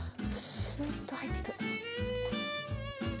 スーッと入っていく。